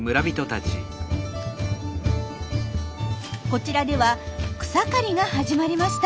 こちらでは草刈りが始まりました。